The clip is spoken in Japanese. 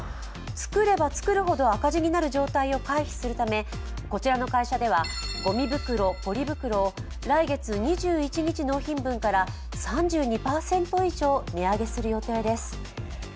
作れば作るほど赤字になる状態を回避するためこちらの会社ではごみ袋・ポリ袋を来月２１日納品分から３２％以上値上げする予定です。